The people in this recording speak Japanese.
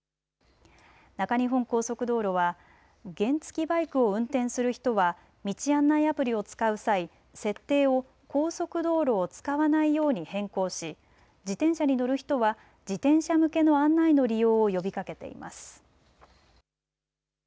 中日本高速道路は原付きバイクを運転する人は道案内アプリを使う際、設定を高速道路を使わないように変更し自転車に乗る人は自転車向けの案内の利用を呼びかけています。